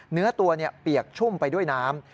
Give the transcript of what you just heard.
เนื้อตัวเปียกชุ่มไปด้วยน้ำ